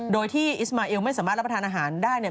โดยที่อิสมาเอลไม่สามารถรับประทานอาหารได้เนี่ย